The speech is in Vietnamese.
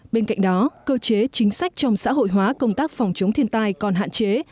bên cạnh đó cơ chế chính sách trong xã hội hóa công tác phòng chống thiên tai còn hạn chế